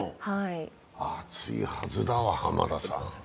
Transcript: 暑いはずだわ、浜田さん。